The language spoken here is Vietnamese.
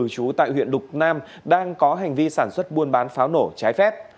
chú tại huyện lục nam đang có hành vi sản xuất buôn bán pháo nổ trái phép